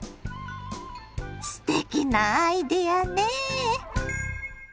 すてきなアイデアねぇ。